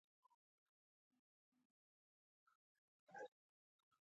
د نورستان خرسونه تور دي که نسواري؟